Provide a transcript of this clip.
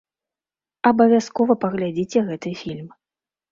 Абавязкова праглядзіце гэты фільм.